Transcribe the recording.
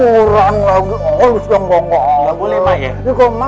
kebuku kurang lagi olis yang bonggol bonggol